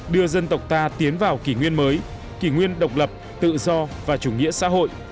đưa dân tộc ta tiến vào kỷ nguyên mới kỷ nguyên độc lập tự do và chủ nghĩa xã hội